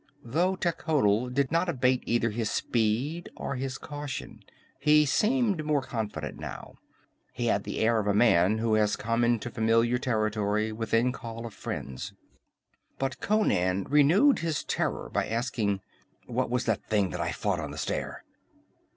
Though Techotl did not abate either his speed or his caution, he seemed more confident now. He had the air of a man who has come into familiar territory, within call of friends. But Conan renewed his terror by asking: "What was that thing that I fought on the stair?"